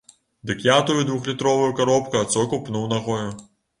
Дык я тую двухлітровую каробку ад соку пнуў нагою.